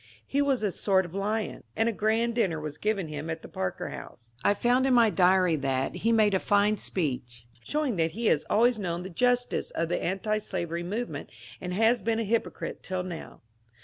He was a sort of lion, and' a grand dinner was given him at the Parker House. I find in my diary that ^^he made a fine speech, showing thatr he has always known the justice of the antislavery movement and has been a hypocrite till now."